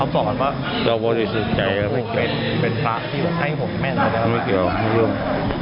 ไม่ไม่เกลียวไม่มีเรื่อง